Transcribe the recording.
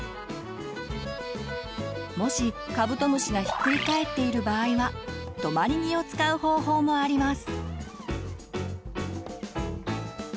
もしカブトムシがひっくり返っている場合は止まり木を使う方法もあります。